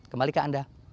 kembali ke anda